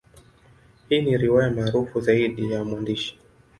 Hii ni riwaya maarufu zaidi ya mwandishi.